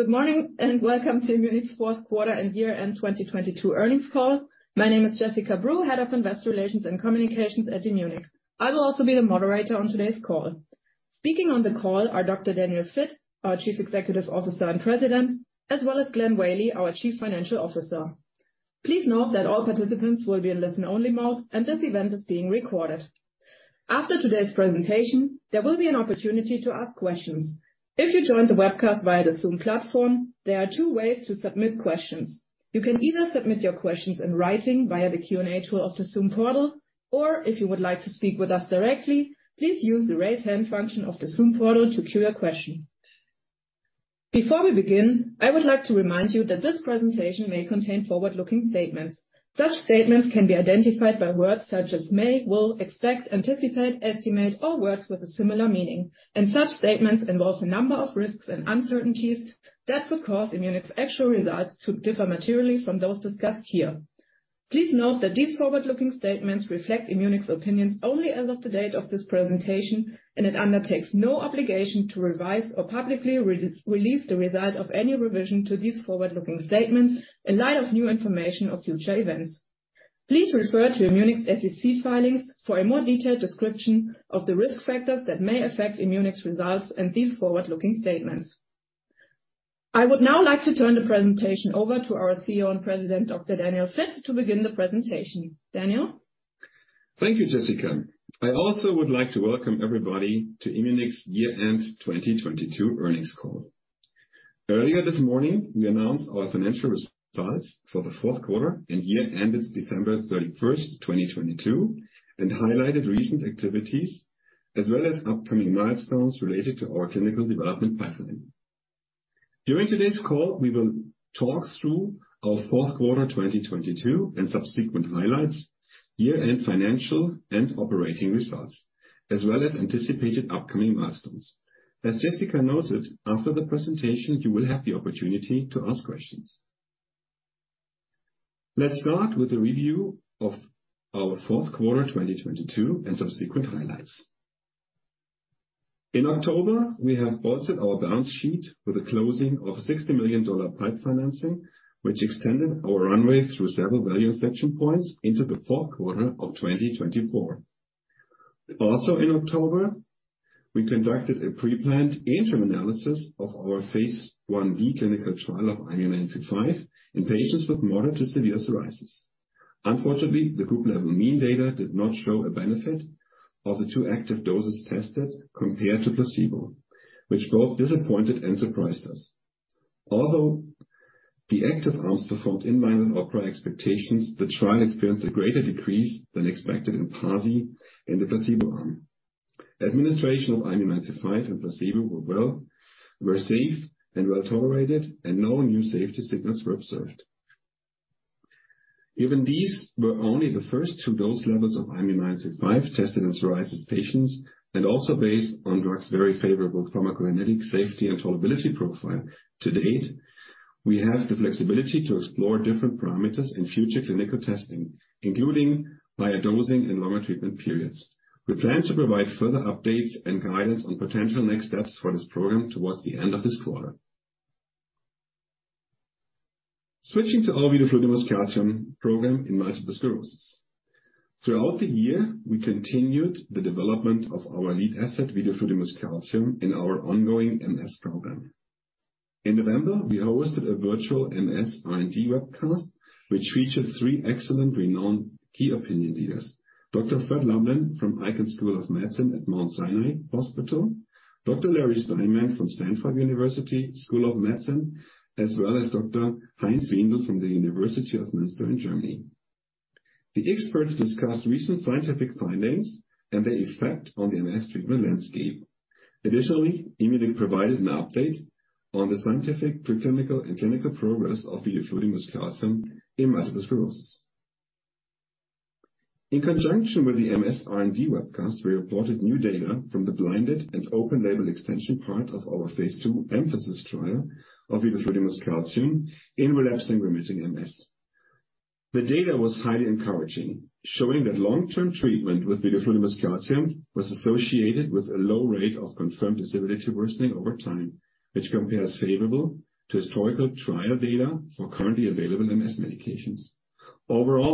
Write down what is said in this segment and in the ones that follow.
Good morning. Welcome to Immunic's fourth quarter and year-end 2022 earnings call. My name is Jessica Breu, Head of Investor Relations and Communications at Immunic. I will also be the moderator on today's call. Speaking on the call are Dr. Daniel Vitt, our Chief Executive Officer and President, as well as Glenn Whaley, our Chief Financial Officer. Please note that all participants will be in listen-only mode, and this event is being recorded. After today's presentation, there will be an opportunity to ask questions. If you joined the webcast via the Zoom platform, there are two ways to submit questions. You can either submit your questions in writing via the Q&A tool of the Zoom portal, or if you would like to speak with us directly, please use the raise hand function of the Zoom portal to queue your question. Before we begin, I would like to remind you that this presentation may contain forward-looking statements. Such statements can be identified by words such as may, will, expect, anticipate, estimate, or words with a similar meaning. Such statements involve a number of risks and uncertainties that could cause Immunic actual results to differ materially from those discussed here. Please note that these forward-looking statements reflect Immunic opinions only as of the date of this presentation and it undertakes no obligation to revise or publicly re-release the results of any revision to these forward-looking statements in light of new information or future events. Please refer to Immunic SEC filings for a more detailed description of the risk factors that may affect Immunic results and these forward-looking statements. I would now like to turn the presentation over to our CEO and President, Dr. Daniel Vitt, to begin the presentation. Daniel? Thank you, Jessica. I also would like to welcome everybody to Immunic year end 2022 earnings call. Earlier this morning, we announced our financial results for the fourth quarter and year ended December 31st, 2022, and highlighted recent activities as well as upcoming milestones related to our clinical development pipeline. During today's call, we will talk through our fourth quarter, 2022, and subsequent highlights, year-end financial and operating results, as well as anticipated upcoming milestones. As Jessica noted, after the presentation, you will have the opportunity to ask questions. Let's start with a review of our fourth quarter, 2022, and subsequent highlights. In October, we have bolstered our balance sheet with a closing of $60 million PIPE financing, which extended our runway through several value infection points into the fourth quarter of 2024. In October, we conducted a preplanned interim analysis of our phase 1b clinical trial of IMU-935 in patients with moderate to severe psoriasis. Unfortunately, the group level mean data did not show a benefit of the 2 active doses tested compared to placebo, which both disappointed and surprised us. Although the active arms performed in line with our prior expectations, the trial experienced a greater decrease than expected in PASI in the placebo arm. Administration of IMU-935 and placebo were safe and well tolerated, and no new safety signals were observed. Given these were only the first two dose levels of IMU-935 tested in psoriasis patients, and also based on drug's very favorable pharmacokinetic safety and tolerability profile to date, we have the flexibility to explore different parameters in future clinical testing, including via dosing and longer treatment periods. We plan to provide further updates and guidance on potential next steps for this program towards the end of this quarter. Switching to our vidofludimus calcium program in multiple sclerosis. Throughout the year, we continued the development of our lead asset, vidofludimus calcium, in our ongoing MS program. In November, we hosted a virtual MS R&D webcast, which featured three excellent renowned key opinion leaders. Dr. Fred Lublin from Icahn School of Medicine at Mount Sinai Hospital, Dr. Larry Steinman from Stanford University School of Medicine, as well as Dr. Heinz Wiendl from the University of Münster in Germany. The experts discussed recent scientific findings and their effect on the MS treatment landscape. Immunic provided an update on the scientific, preclinical, and clinical progress of vidofludimus calcium in multiple sclerosis. In conjunction with the MS R&D webcast, we reported new data from the blinded and open label extension part of our phase II EMPhASIS trial of vidofludimus calcium in relapsing-remitting MS. The data was highly encouraging, showing that long-term treatment with vidofludimus calcium was associated with a low rate of confirmed disability worsening over time, which compares favorable to historical trial data for currently available MS medications.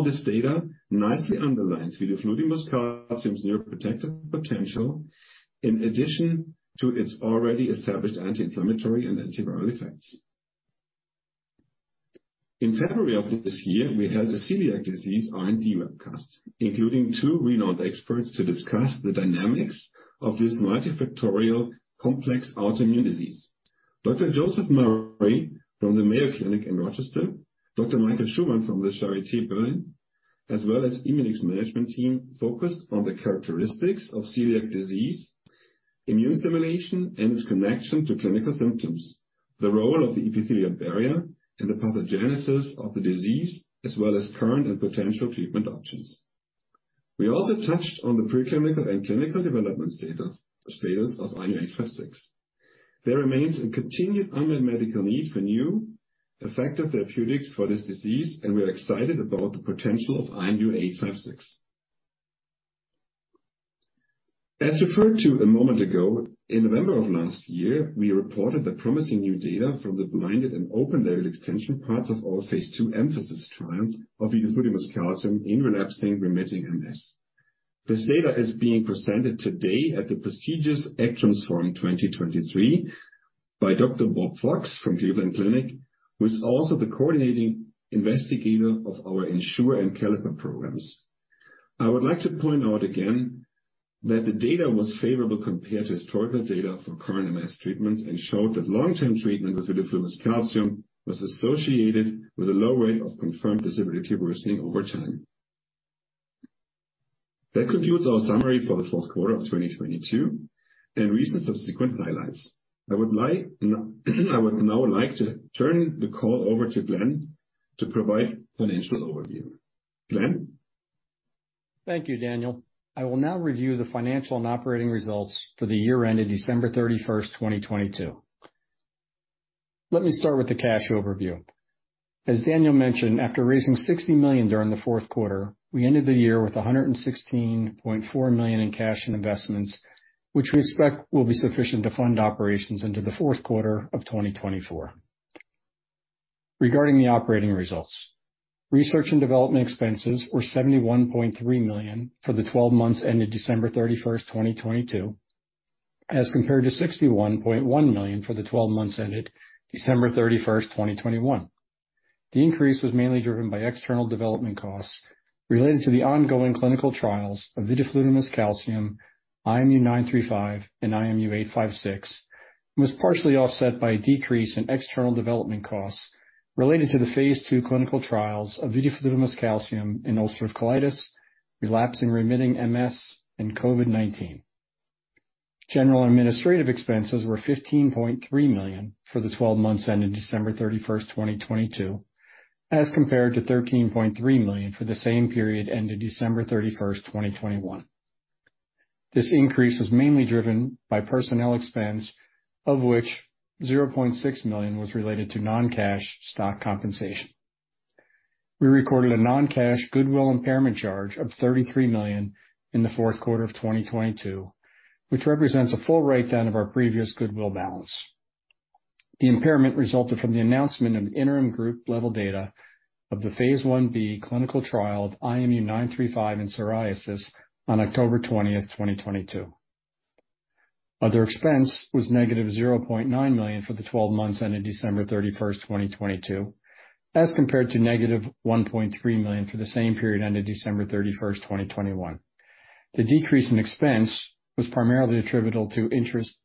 This data nicely underlines vidofludimus calcium's neuroprotective potential in addition to its already established anti-inflammatory and antiviral effects. In February of this year, we held a celiac disease R&D webcast, including two renowned experts to discuss the dynamics of this multifactorial complex autoimmune disease. Dr. Joseph Murray from the Mayo Clinic in Rochester. Michael Schumann from the Charité, Berlin, as well as Immunic management team, focused on the characteristics of celiac disease, immune stimulation, and its connection to clinical symptoms, the role of the epithelial barrier in the pathogenesis of the disease, as well as current and potential treatment options. We also touched on the preclinical and clinical development status of IMU-856. There remains a continued unmet medical need for new effective therapeutics for this disease, and we are excited about the potential of IMU-856. As referred to a moment ago, in November of last year, we reported the promising new data from the blinded and open-label extension parts of our phase II EMPhASIS trial of vidofludimus calcium in relapsing-remitting MS. This data is being presented today at the prestigious ACTRIMS Forum 2023 by Dr. Bob Fox from Cleveland Clinic, who is also the coordinating investigator of our ENSURE and CALLIPER programs. I would like to point out again that the data was favorable compared to historical data for current MS treatments, and showed that long-term treatment with vidofludimus calcium was associated with a low rate of confirmed disability worsening over time. That concludes our summary for the fourth quarter of 2022 and recent subsequent highlights. I would now like to turn the call over to Glenn to provide financial overview. Glenn. Thank you, Daniel. I will now review the financial and operating results for the year ended December 31st, 2022. Let me start with the cash overview. As Daniel mentioned, after raising $60 million during the fourth quarter, we ended the year with $116.4 million in cash and investments, which we expect will be sufficient to fund operations into the fourth quarter of 2024. Regarding the operating results, research and development expenses were $71.3 million for the 12 months ended December 31st, 2022, as compared to $61.1 million for the 12 months ended December 31st, 2021. The increase was mainly driven by external development costs related to the ongoing clinical trials of vidofludimus calcium, IMU-935, and IMU-856, and was partially offset by a decrease in external development costs related to the phase II clinical trials of vidofludimus calcium in ulcerative colitis, relapsing-remitting MS, and COVID-19. General administrative expenses were $15.3 million for the 12 months ended December 31, 2022, as compared to $13.3 million for the same period ended December 31, 2021. This increase was mainly driven by personnel expense, of which $0.6 million was related to non-cash stock compensation. We recorded a non-cash goodwill impairment charge of $33 million in the fourth quarter of 2022, which represents a full write-down of our previous goodwill balance. The impairment resulted from the announcement of interim group level data of the phase I-B clinical trial of IMU-935 in psoriasis on October 20, 2022. Other expense was -$0.9 million for the 12 months ended December 31, 2022, as compared to -$1.3 million for the same period ended December 31, 2021. The decrease in expense was primarily attributable to interest,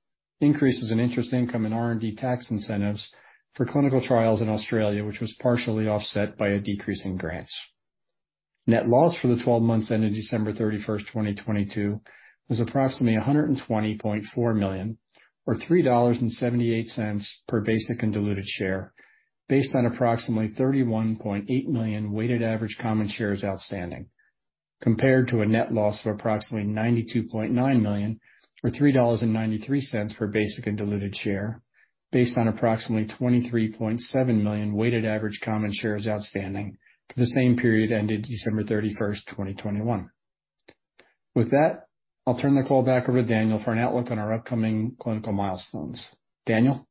increases in interest income and R&D tax incentives for clinical trials in Australia, which was partially offset by a decrease in grants. Net loss for the 12 months ended December 31, 2022, was approximately $120.4 million, or $3.78 per basic and diluted share, based on approximately 31.8 million weighted average common shares outstanding. Compared to a net loss of approximately $92.9 million, or $3.93 per basic and diluted share, based on approximately 23.7 million weighted average common shares outstanding for the same period ended December 31, 2021. With that, I'll turn the call back over to Daniel for an outlook on our upcoming clinical milestones. Daniel.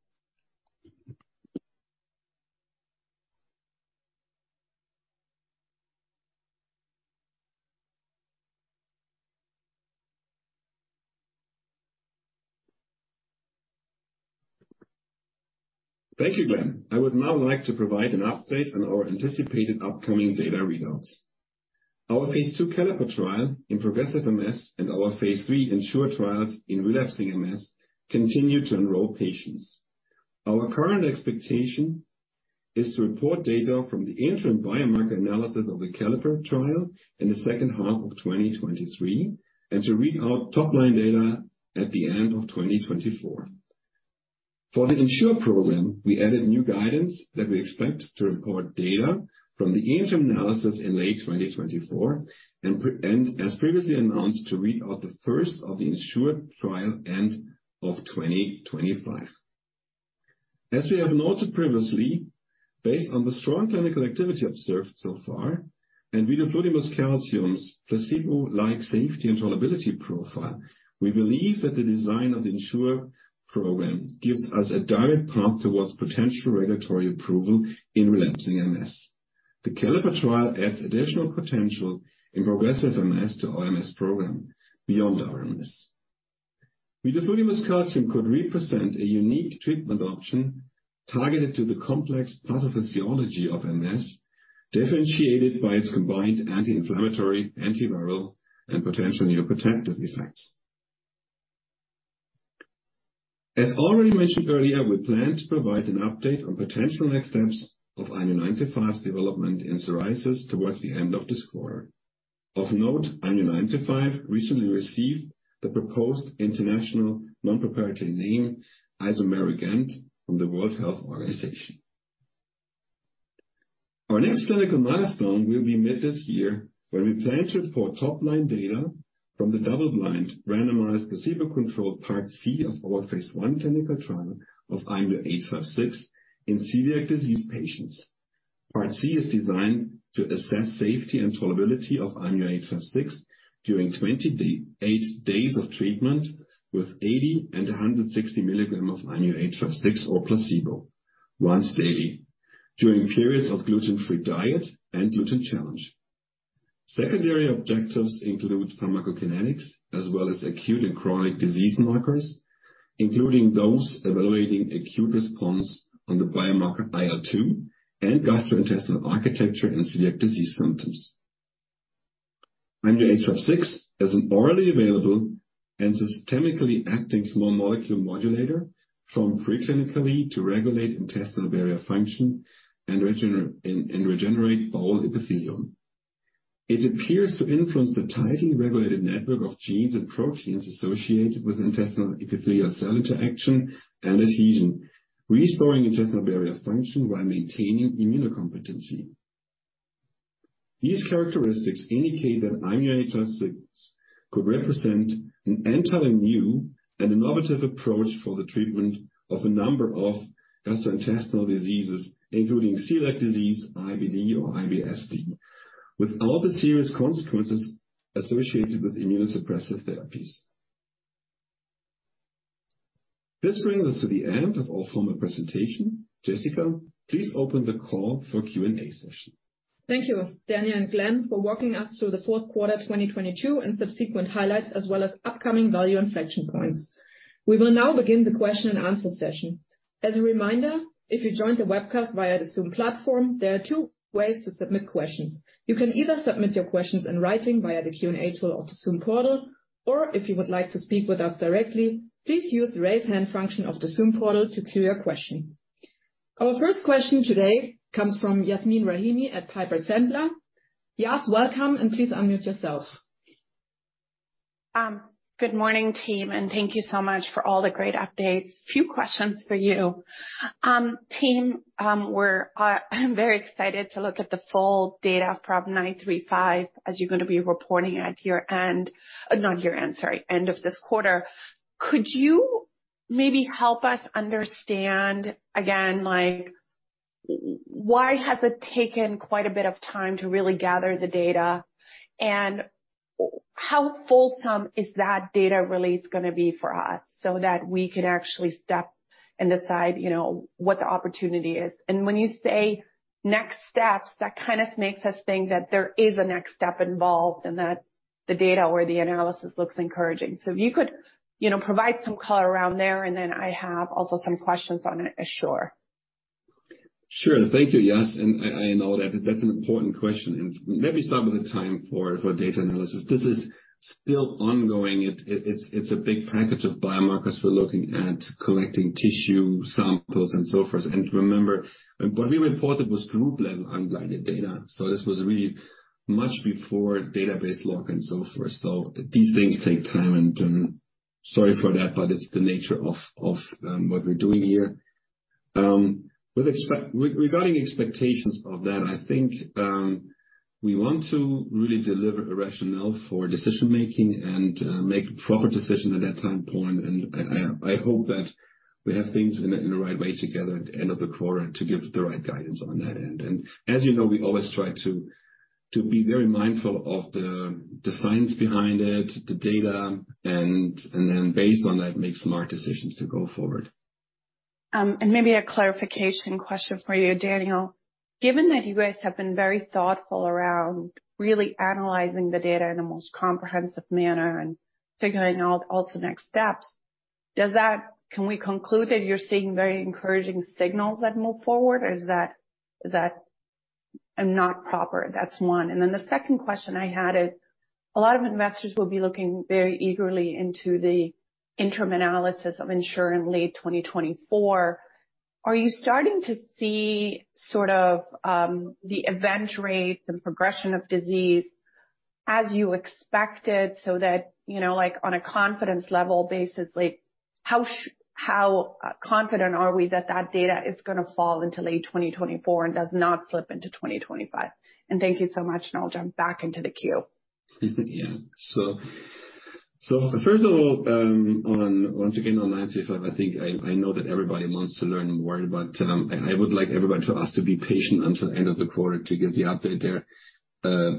Thank you, Glenn. I would now like to provide an update on our anticipated upcoming data readouts. Our phase II CALLIPER trial in progressive MS and our phase III ENSURE trials in relapsing MS continue to enroll patients. Our current expectation is to report data from the interim biomarker analysis of the CALLIPER trial in the second half of 2023, and to read out top-line data at the end of 2024. For the ENSURE program, we added new guidance that we expect to report data from the interim analysis in late 2024 and as previously announced, to read out the first of the ENSURE trial end of 2025. As we have noted previously, based on the strong clinical activity observed so far and vidofludimus calcium's placebo-like safety and tolerability profile, we believe that the design of the ENSURE program gives us a direct path towards potential regulatory approval in relapsing MS. The CALLIPER trial adds additional potential in progressive MS to our MS program beyond RMS. Vidofludimus calcium could represent a unique treatment option targeted to the complex pathophysiology of MS, differentiated by its combined anti-inflammatory, antiviral, and potential neuroprotective effects. As already mentioned earlier, we plan to provide an update on potential next steps of IMU-935's development in psoriasis towards the end of this quarter. Of note, IMU-935 recently received the proposed international nonproprietary name, izumerogant, from the World Health Organization. Our next clinical milestone will be met this year, where we plan to report top-line data from the double-blind randomized placebo-controlled part C of our phase I clinical trial of IMU-856 in celiac disease patients. Part C is designed to assess safety and tolerability of IMU-856 during 28 days of treatment with 80 and 160 milligrams of IMU-856 or placebo once daily during periods of gluten-free diet and gluten challenge. Secondary objectives include pharmacokinetics as well as acute and chronic disease markers, including those evaluating acute response on the biomarker IL-2 and gastrointestinal architecture and celiac disease symptoms. IMU-856 is an orally available and systemically acting small molecule modulator from preclinically to regulate intestinal barrier function and regenerate bowel epithelium. It appears to influence the tightly regulated network of genes and proteins associated with intestinal epithelial cell interaction and adhesion, restoring intestinal barrier function while maintaining immunocompetency. These characteristics indicate that IMU-856 could represent an entirely new and innovative approach for the treatment of a number of gastrointestinal diseases, including celiac disease, IBD or IBS-D, without the serious consequences associated with immunosuppressive therapies. This brings us to the end of our formal presentation. Jessica, please open the call for Q&A session. Thank you, Daniel and Glenn, for walking us through the fourth quarter, 2022 and subsequent highlights as well as upcoming value inflection points. We will now begin the question and answer session. As a reminder, if you joined the webcast via the Zoom platform, there are two ways to submit questions. You can either submit your questions in writing via the Q&A tool of the Zoom portal, or if you would like to speak with us directly, please use the Raise Hand function of the Zoom portal to queue your question. Our first question today comes from Yasmeen Rahimi at Piper Sandler. Yas, welcome, and please unmute yourself. Good morning, team, and thank you so much for all the great updates. Few questions for you. Team, we're very excited to look at the full data of IMU-935 as you're gonna be reporting at your end. Not your end, sorry, end of this quarter. Could you maybe help us understand again, like why has it taken quite a bit of time to really gather the data? How fulsome is that data release gonna be for us so that we can actually step and decide, you know, what the opportunity is? When you say next steps, that kind of makes us think that there is a next step involved and that the data or the analysis looks encouraging. If you could, you know, provide some color around there, and then I have also some questions on ASSURE. Sure. Thank you, Yas. I know that's an important question. Maybe start with the time for data analysis. This is still ongoing. It's a big package of biomarkers. We're looking at collecting tissue samples and so forth. Remember, what we reported was group level unblinded data. This was really much before database lock and so forth. These things take time, and sorry for that, but it's the nature of what we're doing here. Regarding expectations of that, I think, we want to really deliver a rationale for decision-making and make proper decision at that time point. I hope that we have things in the right way together at the end of the quarter to give the right guidance on that. As you know, we always try to be very mindful of the science behind it, the data, and then based on that, make smart decisions to go forward. Maybe a clarification question for you, Daniel. Given that you guys have been very thoughtful around really analyzing the data in the most comprehensive manner and figuring out also next steps, can we conclude that you're seeing very encouraging signals that move forward? Or is that, is that not proper? That's one. Then the second question I had is, a lot of investors will be looking very eagerly into the interim analysis of ENSURE in late 2024. Are you starting to see sort of the event rate and progression of disease as you expected so that, you know, like on a confidence level basis, like how confident are we that that data is gonna fall into late 2024 and does not slip into 2025? Thank you so much, and I'll jump back into the queue. Yeah. First of all, once again, on IMU-935, I think I know that everybody wants to learn more, but, I would like everyone to ask to be patient until end of the quarter to get the update there.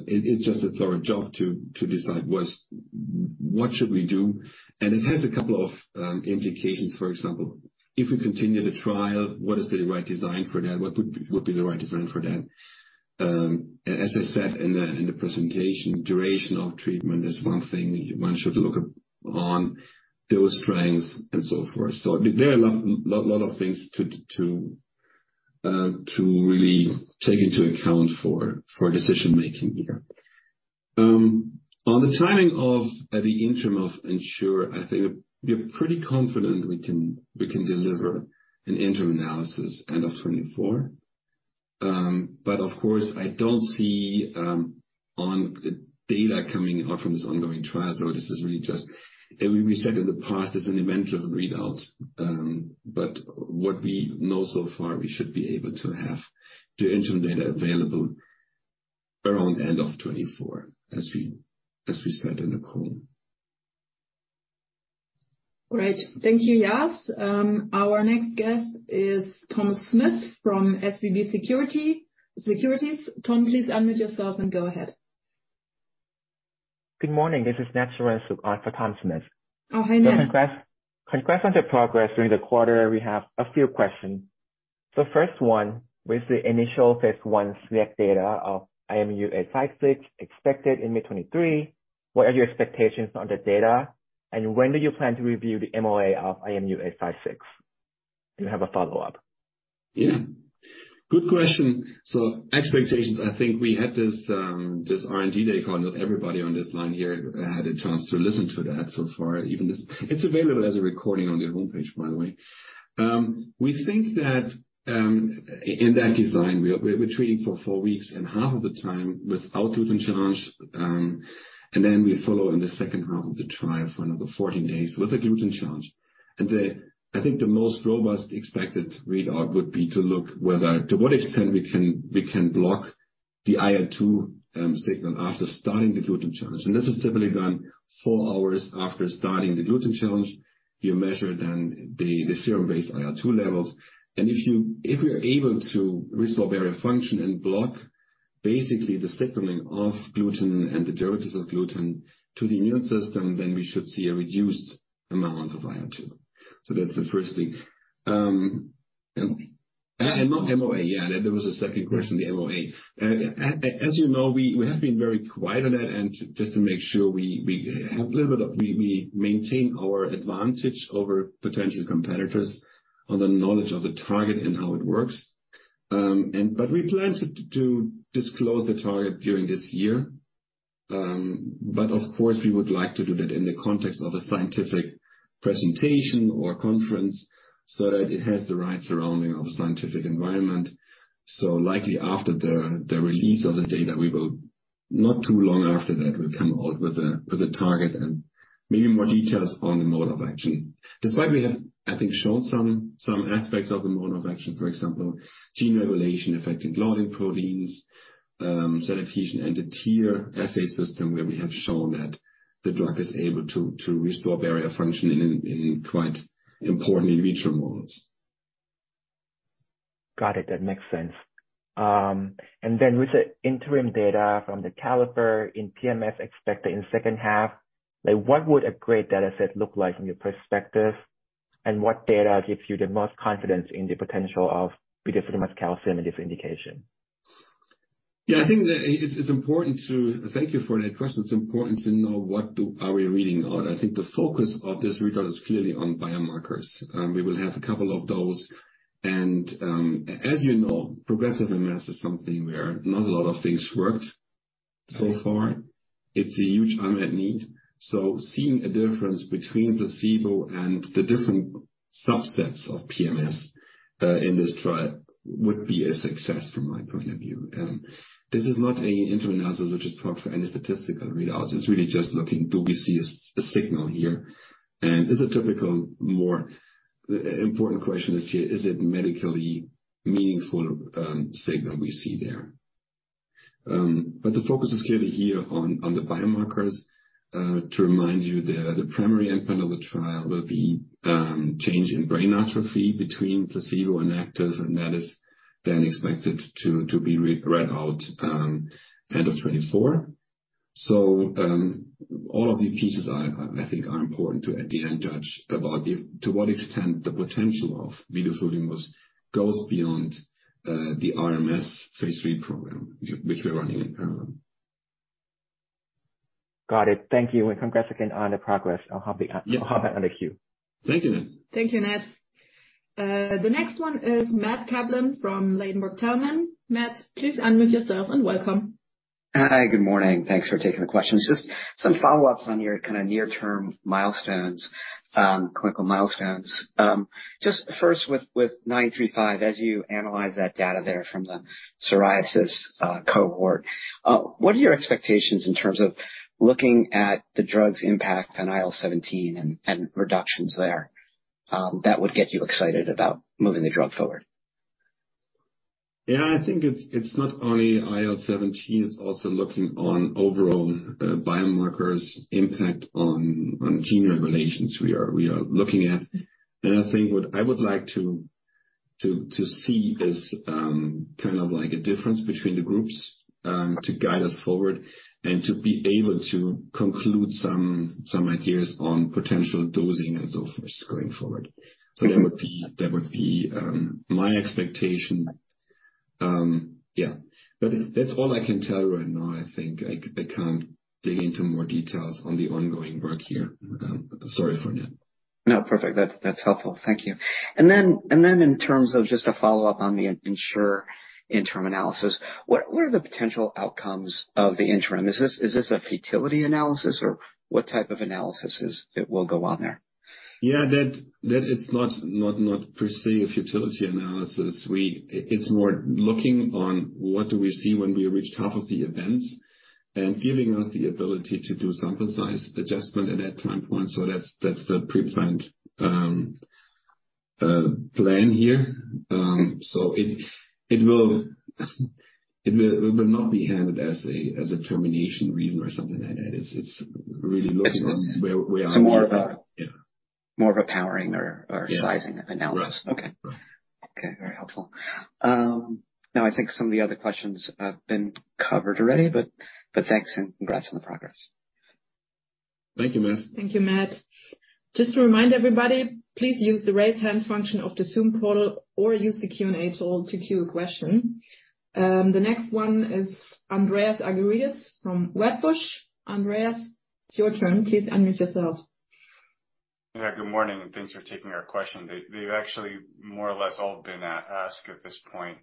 It's just it's our job to decide what's, what should we do. It has a couple of implications. For example, if we continue the trial, what is the right design for that? What would be the right design for that? As I said in the presentation, duration of treatment is one thing one should look, dose strengths and so forth. There are lot of things to really take into account for decision-making here. On the timing of the interim of ENSURE, I think we're pretty confident we can deliver an interim analysis end of 2024. Of course, I don't see on data coming out from this ongoing trial. This is really just. We said in the past it's an event of readout, what we know so far, we should be able to have the interim data available around end of 2024 as we said in the call. Great. Thank you, Yas. Our next guest is Thomas Smith from SVB Securities. Tom, please unmute yourself and go ahead. Good morning. This is Natsai Sri-Kanjanakorn for Thomas Smith. Oh, hi, Nat. Congrats, congrats on the progress during the quarter. We have a few questions. First one, with the initial phase I select data of IMU-856 expected in mid-2023, what are your expectations on the data, and when do you plan to review the MOA of IMU-856? I have a follow-up. Yeah. Good question. Expectations, I think we had this R&D day call. Not everybody on this line here had a chance to listen to that so far. It's available as a recording on the homepage, by the way. We think that in that design, we're treating for four weeks and half of the time without gluten challenge, and then we follow in the second half of the trial for another 14 days with a gluten challenge. I think the most robust expected readout would be to look whether to what extent we can block the IL-2 signal after starting the gluten challenge. This is typically done four hours after starting the gluten challenge. You measure then the serum-based IL-2 levels. If you, if we are able to restore barrier function and block basically the signaling of gluten and the derivatives of gluten to the immune system, then we should see a reduced amount of IL-2. Not MOA. Yeah, there was a second question, the MOA. As you know, we have been very quiet on it and just to make sure we have a little bit of, we maintain our advantage over potential competitors on the knowledge of the target and how it works. We plan to disclose the target during this year. Of course, we would like to do that in the context of a scientific presentation or conference so that it has the right surrounding of a scientific environment. Likely after the release of the data, we will not too long after that, we'll come out with a target and maybe more details on the mode of action. Despite we have, I think, shown some aspects of the mode of action, for example, gene regulation affecting loading proteins, cell adhesion, and the tier assay system where we have shown that the drug is able to restore barrier function in quite important in vitro models. Got it. That makes sense. With the interim data from the CALLIPER in PMS expected in second half, like what would a great data set look like from your perspective? What data gives you the most confidence in the potential of the vidofludimus calcium in this indication? I think that it's important to… Thank you for that question. It's important to know what are we reading on. I think the focus of this readout is clearly on biomarkers. We will have a couple of those, and, as you know, progressive MS is something where not a lot of things worked so far. It's a huge unmet need. Seeing a difference between placebo and the different subsets of PMS in this trial would be a success from my point of view. This is not a interim analysis which is proper for any statistical readouts. It's really just looking, do we see a signal here? Is a typical more important question is here, is it medically meaningful signal we see there? The focus is clearly here on the biomarkers. To remind you the primary endpoint of the trial will be, change in brain atrophy between placebo and active, that is then expected to be read out, end of 2024. All of these pieces are, I think are important to at the end judge about if, to what extent the potential of vidazulum goes beyond, the RMS phase III program which we're running it parallel. Got it. Thank you, and congrats again on the progress. I'll hop back on. Yeah. I'll hop back on the queue. Thank you, Nat. Thank you, Nat. The next one is Matthew Kaplan from Ladenburg Thalmann. Matt, please unmute yourself and welcome. Hi. Good morning. Thanks for taking the questions. Just some follow-ups on your kinda near-term milestones, clinical milestones. Just first with IMU-935, as you analyze that data there from the psoriasis cohort, what are your expectations in terms of looking at the drug's impact on IL-17 and reductions there, that would get you excited about moving the drug forward? Yeah, I think it's not only IL-17, it's also looking on overall biomarkers impact on gene regulations we are looking at. I think what I would like to see is kind of like a difference between the groups to guide us forward and to be able to conclude some ideas on potential dosing and so forth going forward. That would be my expectation. Yeah. That's all I can tell you right now, I think. I can't dig into more details on the ongoing work here. Sorry for that. No, perfect. That's helpful. Thank you. Then in terms of just a follow-up on the ENSURE interim analysis, what are the potential outcomes of the interim? Is this a futility analysis or what type of analysis that will go on there? That is not per se a futility analysis. It's more looking on what do we see when we reached half of the events and giving us the ability to do sample size adjustment at that time point. That's the preplanned plan here. It will not be handled as a termination reason or something like that. It's really looking on where are we. It's more of. Yeah. More of a powering. Yeah. sizing analysis. Right. Okay. Okay. Very helpful. Now I think some of the other questions have been covered already, but thanks and congrats on the progress. Thank you, Matt. Thank you, Matt. Just to remind everybody, please use the raise hand function of the Zoom portal or use the Q&A tool to queue a question. The next one is Andreas Argyrides from Wedbush. Andreas, it's your turn. Please unmute yourself. Yeah, good morning, thanks for taking our question. They've actually more or less all been asked at this point,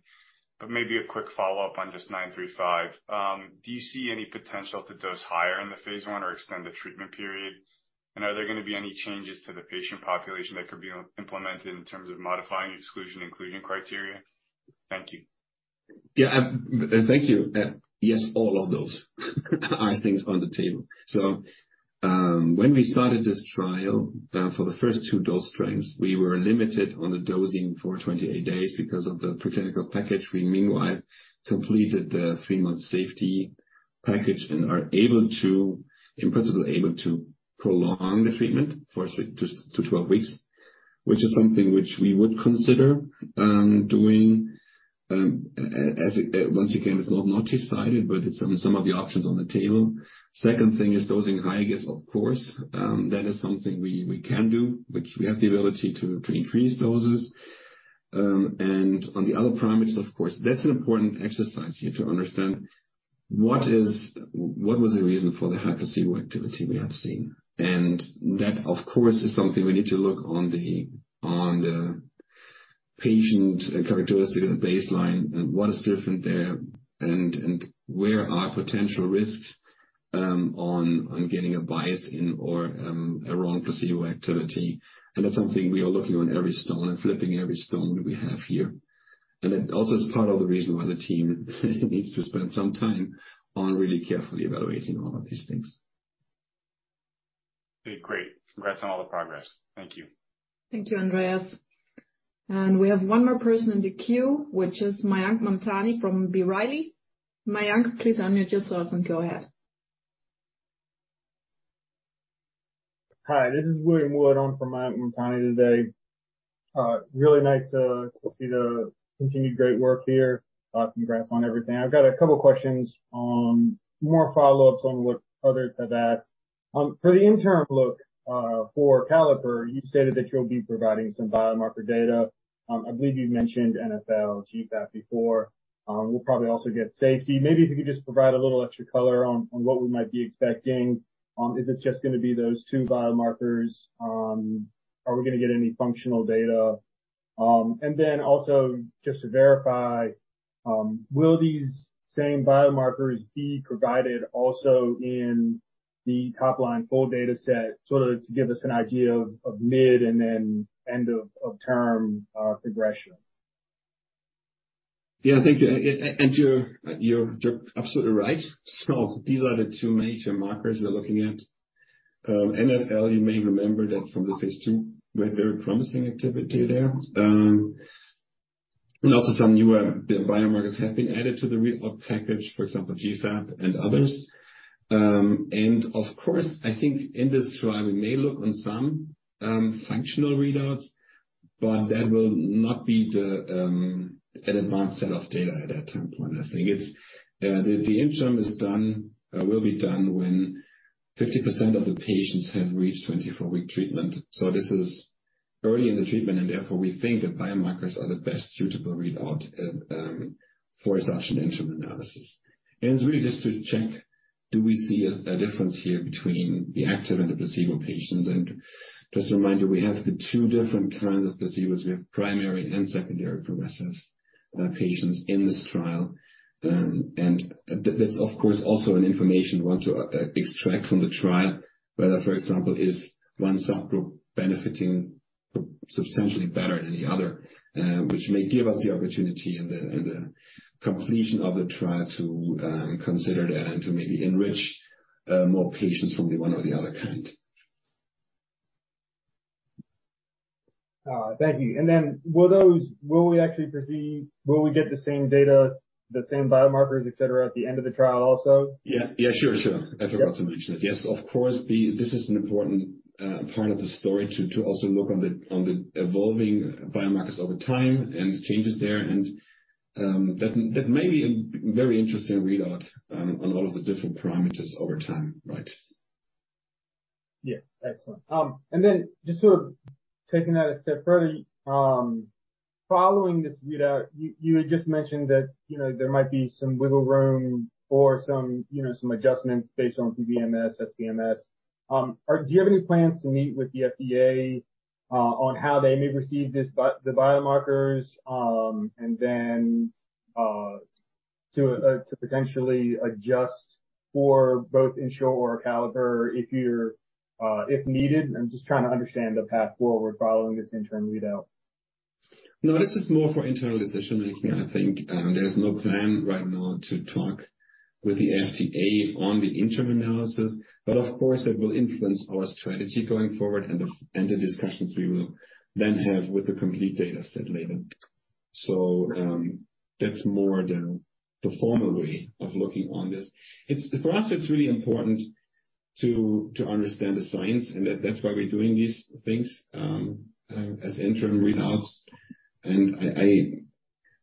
maybe a quick follow-up on just IMU-935. Do you see any potential to dose higher in the phase I or extend the treatment period? Are there gonna be any changes to the patient population that could be implemented in terms of modifying exclusion, including criteria? Thank you. Yeah, thank you. Yes, all of those are things on the table. When we started this trial, for the first 2 dose strengths, we were limited on the dosing for 28 days because of the preclinical package. We meanwhile completed the 3-month safety package and are able to, in principle, prolong the treatment for 6-12 weeks, which is something which we would consider doing. As, once again, it's not multi-sided, but it's some of the options on the table. Second thing is dosing high, I guess, of course. That is something we can do, which we have the ability to increase doses. On the other parameters, of course, that's an important exercise. You have to understand what is... what was the reason for the high placebo activity we have seen. That, of course, is something we need to look on the patient characteristic at baseline, and what is different there and where are potential risks on getting a bias in or a wrong placebo activity. That's something we are looking on every stone and flipping every stone we have here. It also is part of the reason why the team needs to spend some time on really carefully evaluating all of these things. Okay, great. Congrats on all the progress. Thank you. Thank you, Andreas. We have one more person in the queue, which is Mayank Mamtani from B. Riley. Mayank, please unmute yourself and go ahead. Hi, this is William Wood on for Mayank Mamtani today. Really nice to see the continued great work here. Congrats on everything. I've got a couple of questions on more follow-ups on what others have asked. For the interim look, for CALLIPER, you stated that you'll be providing some biomarker data. I believe you've mentioned NFL, GFAP before. We'll probably also get safety. Maybe if you could just provide a little extra color on what we might be expecting, if it's just gonna be those two biomarkers, are we gonna get any functional data? And then also just to verify, will these same biomarkers be provided also in the top line full data set, sort of to give us an idea of mid and then end of term, progression? Yeah, thank you. You're absolutely right. These are the two major markers we are looking at. NFL, you may remember that from the phase II, we had very promising activity there. Also some newer biomarkers have been added to the readout package, for example, GFAP and others. Of course, I think in this trial, we may look on some functional readouts, but that will not be the an advanced set of data at that time point. I think it's the interim is done, will be done when 50% of the patients have reached 24 week treatment. This is early in the treatment, and therefore, we think the biomarkers are the best suitable readout for such an interim analysis. It's really just to check, do we see a difference here between the active and the placebo patients? Just a reminder, we have the two different kinds of placebos. We have primary and secondary progressive patients in this trial. That's of course, also an information we want to extract from the trial, whether, for example, is one subgroup benefiting substantially better than the other, which may give us the opportunity in the completion of the trial to consider that and to maybe enrich more patients from the one or the other kind. Thank you. Will we get the same data, the same biomarkers, et cetera, at the end of the trial also? Yeah, sure. Sure. I forgot to mention it. Yes, of course, this is an important part of the story to also look on the evolving biomarkers over time and changes there. That may be a very interesting readout on a lot of the different parameters over time, right? Yeah. Excellent. Just sort of taking that a step further, following this readout, you had just mentioned that, you know, there might be some wiggle room or some, you know, some adjustments based on demyelinating, SPMS. Do you have any plans to meet with the FDA on how they may receive this the biomarkers, and then to potentially adjust for both ENSURE or CALLIPER if needed? I'm just trying to understand the path forward following this interim readout. No, this is more for internal decision making. I think, there's no plan right now to talk with the FDA on the interim analysis. Of course, that will influence our strategy going forward and the, and the discussions we will then have with the complete data set later. That's more the formal way of looking on this. For us, it's really important to understand the science and that's why we're doing these things, as interim readouts.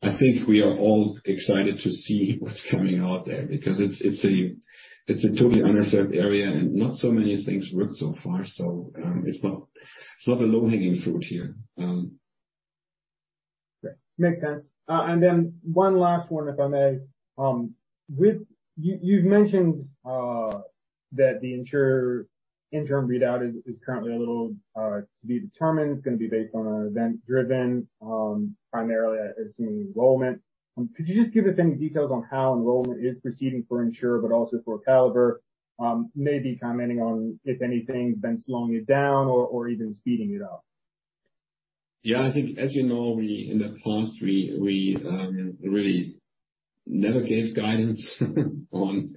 I think we are all excited to see what's coming out there because it's a, it's a totally underserved area, and not so many things worked so far. It's not, it's not a low-hanging fruit here. Great. Makes sense. Then one last one, if I may. With... You, you've mentioned that the ENSURE interim readout is currently a little to be determined. It's gonna be based on an event-driven, primarily assuming enrollment. Could you just give us any details on how enrollment is proceeding for ENSURE but also for CALLIPER? Maybe commenting on if anything's been slowing it down or even speeding it up. Yeah. I think as you know, we, in the past, we really never gave guidance on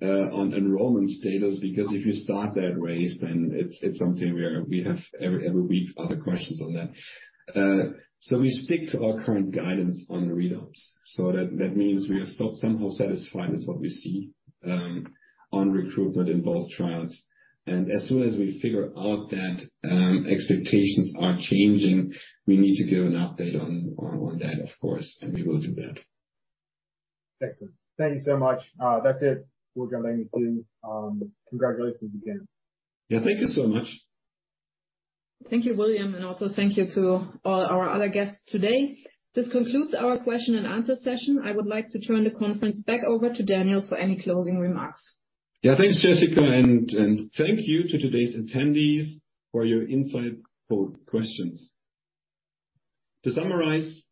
enrollment status. If you start that race, then it's something where we have every week other questions on that. We stick to our current guidance on readouts. That means we are still somehow satisfied with what we see on recruitment in both trials. As soon as we figure out that expectations are changing, we need to give an update on that, of course, and we will do that. Excellent. Thank you so much. That's it. We'll jump in queue. Congratulations again. Yeah. Thank you so much. Thank you, William, and also thank you to all our other guests today. This concludes our question and answer session. I would like to turn the conference back over to Daniel for any closing remarks. Yeah. Thanks, Jessica, and thank you to today's attendees for your insightful questions. To summarize,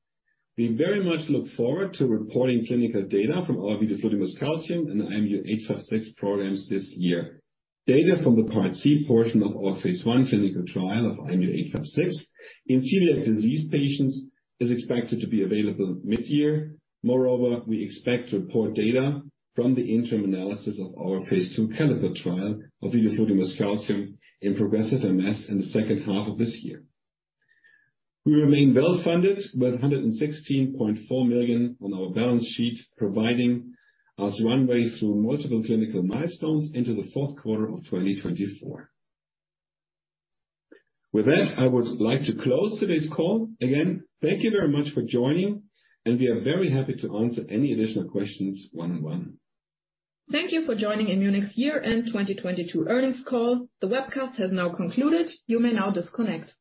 we very much look forward to reporting clinical data from our vidofludimus calcium and IMU-856 programs this year. Data from the Part C portion of our phase I clinical trial of IMU-856 in celiac disease patients is expected to be available mid-year. Moreover, we expect to report data from the interim analysis of our phase II CALLIPER trial of vidofludimus calcium in progressive MS in the second half of this year. We remain well-funded with $116.4 million on our balance sheet, providing us runway through multiple clinical milestones into the fourth quarter of 2024. With that, I would like to close today's call. Again, thank you very much for joining, and we are very happy to answer any additional questions one-on-one. Thank you for joining Immunic's year-end 2022 earnings call. The webcast has now concluded. You may now disconnect.